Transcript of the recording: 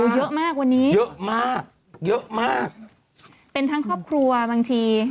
เยอะมากวันนี้เป็นทั้งครอบครัวบางที